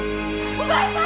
お前さーん！